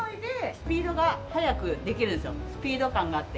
スピード感があって。